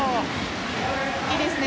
いいですね